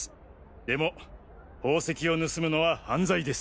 でも宝石を盗むのは犯罪です。